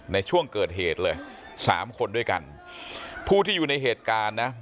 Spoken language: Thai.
ในช่วงเกิดเหตุเลยสามคนด้วยกันผู้ที่อยู่ในเหตุการณ์นะ